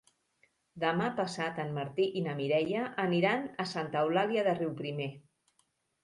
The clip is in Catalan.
Demà passat en Martí i na Mireia aniran a Santa Eulàlia de Riuprimer.